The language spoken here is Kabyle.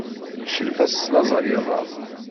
Crifa teslaẓay iḍan.